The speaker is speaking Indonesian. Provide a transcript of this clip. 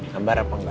hambar apa enggak